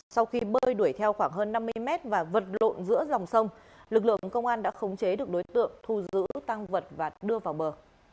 sau khi bơi đuổi theo khoảng hơn năm mươi mét và vật lộn giữa dòng sông lực lượng công an đã khống chế được đối tượng thu giữ tăng vật và đưa vào bờ